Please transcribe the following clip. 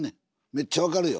めっちゃ分かるよ。